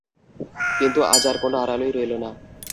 কিন্তু আজ আর কোনো আড়ালই রইল না।